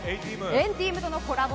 ＆ＴＥＡＭとのコラボ